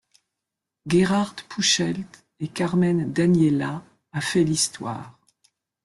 Gerhard Puchelt et Carmen Daniela a fait l'histoire.